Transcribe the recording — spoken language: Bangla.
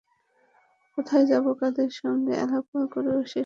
কোথায় যাব, কাদের সঙ্গে আলাপ করব—সে সম্পর্কেও অনেক কাজের পরামর্শ দেন।